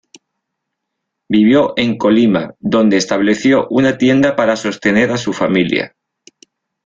Vivió en Colima, donde estableció una tienda para sostener a su familia.